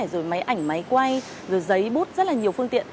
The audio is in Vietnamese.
rồi máy ảnh máy quay rồi giấy bút rất là nhiều phương tiện